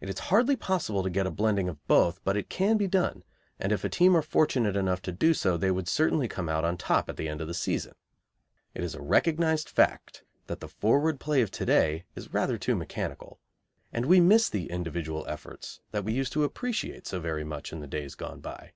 It is hardly possible to get a blending of both, but it can be done, and if a team are fortunate enough to do so they would certainly come out on top at the end of the season. It is a recognised fact that the forward play of to day is rather too mechanical, and we miss the individual efforts that we used to appreciate so very much in the days gone by.